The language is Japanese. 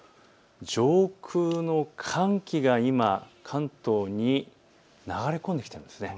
上空の寒気が今、関東に流れ込んできています。